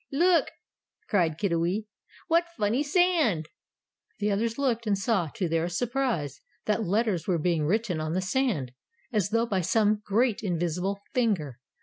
"Look!" cried Kiddiwee. "What funny sand!" The others looked, and saw, to their surprise, that letters were being written on the sand, as though by some great invisible finger.